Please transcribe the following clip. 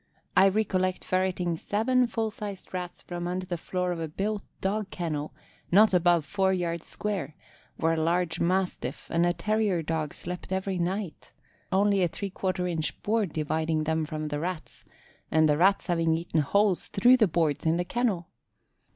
I recollect ferreting seven full sized Rats from under the floor of a built dog kennel not above four yards square, where a large mastiff and a terrier dog slept every night, only a 3/4 inch board dividing them from the Rats, and the Rats having eaten holes through the boards in the kennel!